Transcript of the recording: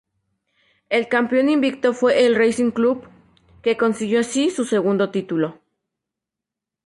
El campeón invicto fue el Racing Club, que consiguió así su segundo título.